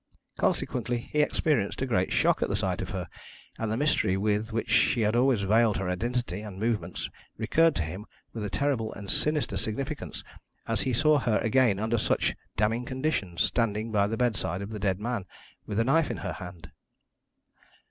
Consequently he experienced a great shock at the sight of her, and the mystery with which she had always veiled her identity and movements recurred to him with a terrible and sinister significance as he saw her again under such damning conditions, standing by the bedside of the dead man with a knife in her hand.